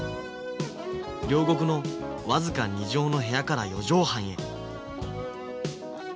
両国の僅か２畳の部屋から４畳半へ！